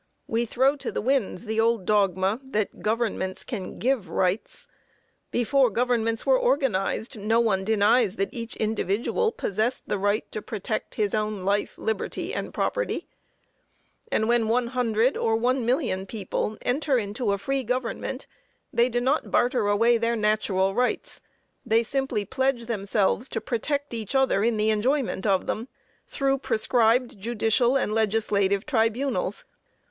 We throw to the winds the old dogma that governments can give rights. Before governments were organized, no one denies that each individual possessed the right to protect his own life, liberty and property. And when 100 or 1,000,000 people enter into a free government, they do not barter away their natural rights; they simply pledge themselves to protect each other in the enjoyment of them, through prescribed judicial and legislative tribunals.